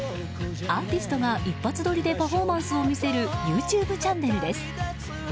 アーティストが、一発撮りでパフォーマンスを見せるＹｏｕＴｕｂｅチャンネルです。